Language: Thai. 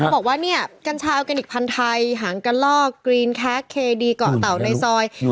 เขาบอกว่าเนี่ยกัญชาอัลการิกภัณฑ์ไทยหางกะลอกกรีนแคคเคดีเกาะเต่าในซอย